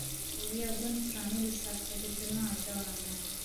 Aborîya gund piranî li ser xwedîkirina ajalan e.